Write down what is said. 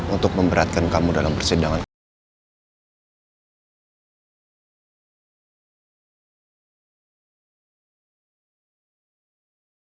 untuk memberatkan kamu dalam persendangan aku